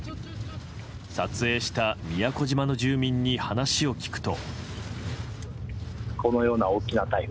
撮影した宮古島の住民に話を聞くと。